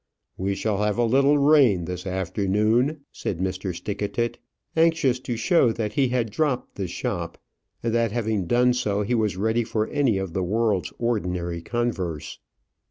"We shall have a little rain this afternoon," said Mr. Stickatit, anxious to show that he had dropped the shop, and that having done so, he was ready for any of the world's ordinary converse.